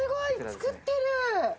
作ってる！